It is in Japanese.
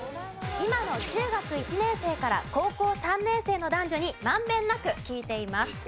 今の中学１年生から高校３年生の男女に満遍なく聞いています。